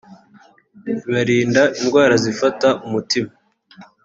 ibarinda indwara zifata umutima